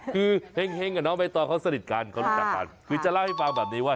คือแห่งกับน้องใบตองเขาสนิทกันคือจะเล่าให้ฟังแบบนี้ว่า